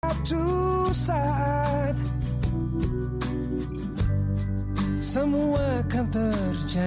salah seorang panggilan di antara lgri